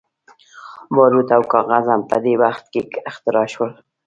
باروت او کاغذ هم په دې وخت کې اختراع شول.